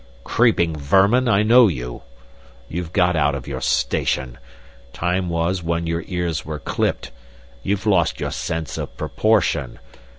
Creeping vermin, I know you! You've got out of your station. Time was when your ears were clipped. You've lost your sense of proportion.